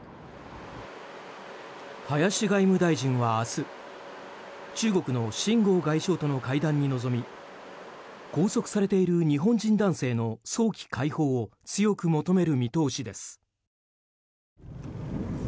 林外務大臣は明日、中国のシン・ゴウ外相との会談に臨み拘束されている日本人男性の早期解放を強く求める見通しです。